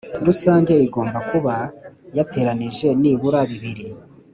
rusange igomba kuba yateranije nibura bibiri